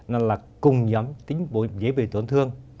nó là cùng giám tính vụ dễ bị tổn thương